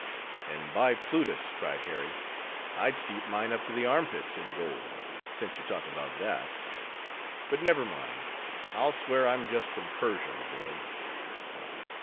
"And by Plutus," cried Harry—"I'd steep mine up to the armpits in gold; since you talk about that. But never mind, I'll swear I'm just from Persia, my boy."